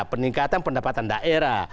peningkatan pendapatan daerah